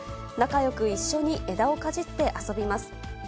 仲よく一緒に枝をかじって遊びます。